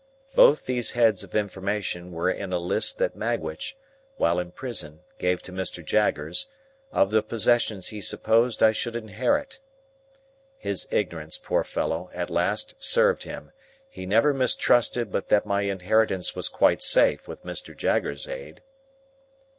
Both these heads of information were in a list that Magwitch, while in prison, gave to Mr. Jaggers, of the possessions he supposed I should inherit. His ignorance, poor fellow, at last served him; he never mistrusted but that my inheritance was quite safe, with Mr. Jaggers's aid.